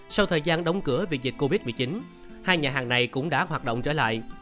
sau thời gian đóng cửa vì dịch covid một mươi chín hai nhà hàng này cũng đã hoạt động trở lại